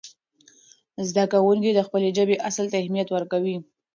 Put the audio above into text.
زده کوونکي د خپلې ژبې اصل ته اهمیت ورکوي.